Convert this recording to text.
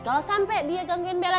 kalau sampai dia gangguin bela